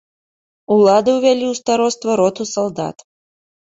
Улады ўвялі ў староства роту салдат.